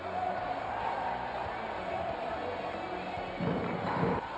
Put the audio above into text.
สวัสดีทุกคน